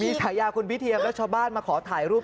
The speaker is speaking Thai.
มีฉายาคุณพิเทียมและชาวบ้านมาขอถ่ายรูป